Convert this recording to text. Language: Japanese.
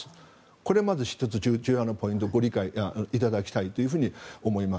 これ１つ重要なポイントだとご理解いただきたいと思います。